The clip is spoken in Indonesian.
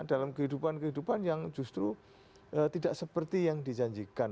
dalam kehidupan kehidupan yang justru tidak seperti yang dijanjikan